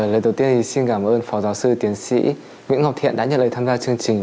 lời đầu tiên xin cảm ơn phó giáo sư tiến sĩ nguyễn ngọc thiện đã nhận lời tham gia chương trình